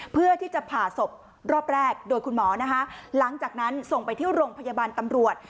เพื่อที่จะผ่าศพรอบแรกโดยคุณหมอนะคะหลังจากนั้นส่งไปที่โรงพยาบาลตำรวจ